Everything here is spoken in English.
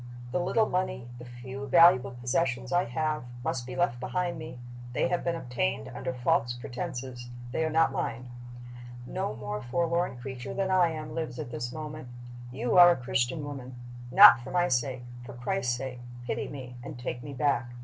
The little money, the few valuable possessions I have, must be left behind me: they have been obtained under false pretenses; they are not mine. No more forlorn creature than I am lives at this moment. You are a Christian woman. Not for my sake for Christ's sake pity me and take me back.